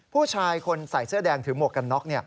ผู้ชายคนใส่เสื้อแดงถือหมวกกันน็อก